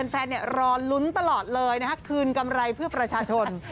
รอลุ้นตลอดเลยคืนกำไรเพื่อประชาชน